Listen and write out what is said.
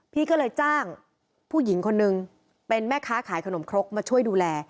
พี่ก็เลยจ้างผู้หญิงคนนึงเป็นแม่ค้าขายขนมครกมาช่วยดูแล